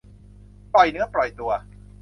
ปล่อยเนื้อปล่อยตัว